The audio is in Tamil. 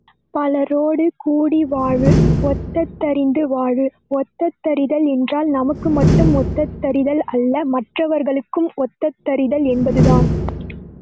பலரோடு கூடிவாழு ஒத்ததறிந்து வாழு ஒத்ததறிதல் என்றால் நமக்கு மட்டும் ஒத்ததறிதல் அல்ல மற்றவர்களுக்கும் ஒத்ததறிதல் என்பதுதான்.